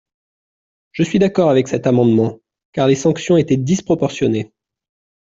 Je suis d’accord avec cet amendement, car les sanctions étaient disproportionnées.